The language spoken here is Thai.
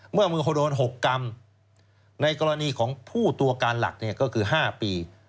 เมื่อมือเขาโดน๖กรัมในกรณีของผู้ตัวการหลักก็คือ๕ปี